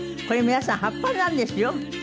これ皆さん葉っぱなんですよ。